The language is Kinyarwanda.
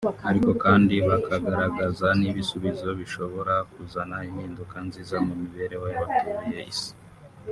ariko kandi bakagaragaza n’ibisubizo bishobora kuzana impinduka nziza mu mibereho y’abatuye isi